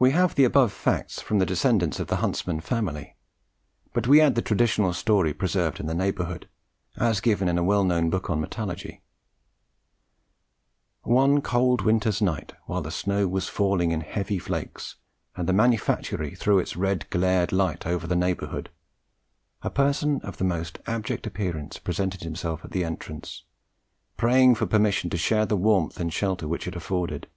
We have the above facts from the descendants of the Huntsman family; but we add the traditional story preserved in the neighbourhood, as given in a well known book on metallurgy: "One cold winter's night, while the snow was falling in heavy flakes, and the manufactory threw its red glared light over the neighbourhood, a person of the most abject appearance presented himself at the entrance, praying for permission to share the warmth and shelter which it afforded.